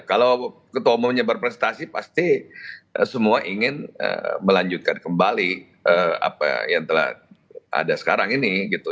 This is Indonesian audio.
kalau ketua umumnya berprestasi pasti semua ingin melanjutkan kembali apa yang telah ada sekarang ini gitu